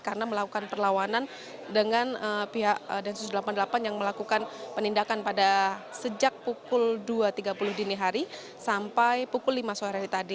karena melakukan perlawanan dengan pihak densus delapan puluh delapan yang melakukan penindakan pada sejak pukul dua tiga puluh dini hari sampai pukul lima sore tadi